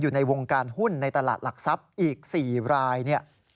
อยู่ในวงการหุ้นในตลาดหลักทรัพย์อีก๔รายเนี่ย